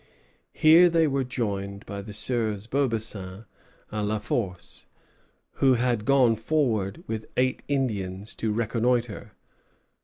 Here they were joined by the Sieurs Beaubassin and La Force, who had gone forward, with eight Indians, to reconnoitre.